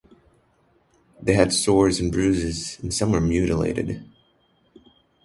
They had sores and bruises, and some were mutilated.